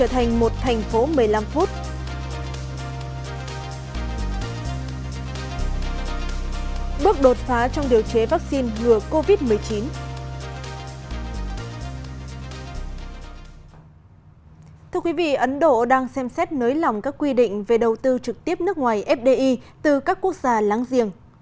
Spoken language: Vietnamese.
thưa quý vị ấn độ đang xem xét nới lỏng các quy định về đầu tư trực tiếp nước ngoài fdi từ các quốc gia láng giềng